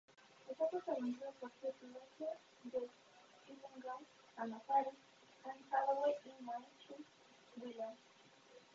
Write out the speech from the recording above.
Está protagonizada por Heath Ledger, Jake Gyllenhaal, Anna Faris, Anne Hathaway y Michelle Williams.